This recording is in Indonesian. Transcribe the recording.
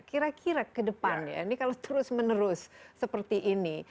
kira kira ke depannya ini kalau terus menerus seperti ini